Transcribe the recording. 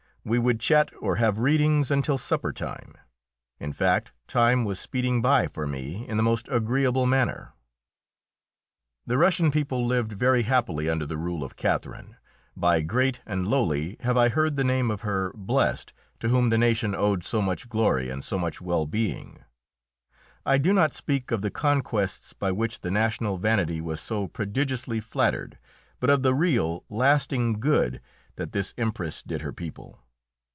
We would chat or have readings until supper time. In fact time was speeding by for me in the most agreeable manner. The Russian people lived very happily under the rule of Catherine; by great and lowly have I heard the name of her blessed to whom the nation owed so much glory and so much well being. I do not speak of the conquests by which the national vanity was so prodigiously flattered, but of the real, lasting good that this Empress did her people.